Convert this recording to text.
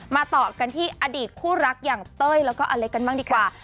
ต่อกันที่อดีตคู่รักอย่างเต้ยแล้วก็อเล็กกันบ้างดีกว่า